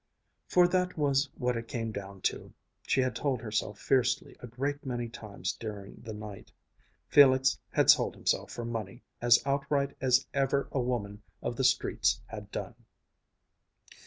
For that was what it came down to, she had told herself fiercely a great many times during the night. Felix had sold himself for money as outright as ever a woman of the streets had done.